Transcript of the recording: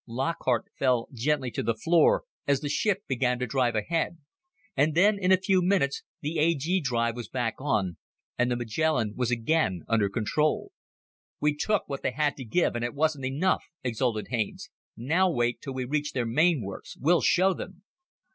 Lockhart fell gently to the floor as the ship began to drive ahead, and then in a few minutes the A G drive was back on, and the Magellan was again under control. "We took what they had to give, and it wasn't enough," exulted Haines. "Now wait till we reach their main works. We'll show them!"